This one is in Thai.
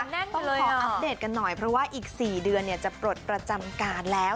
ต้องขออัปเดตกันหน่อยเพราะว่าอีก๔เดือนจะปลดประจำการแล้ว